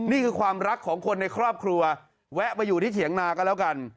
นี่คือความรักของคนในครอบครัวแวะไปอยู่ที่เถียงนาก็แล้วกัน